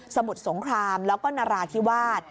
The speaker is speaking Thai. มุดสงครามแล้วก็นราธิวาส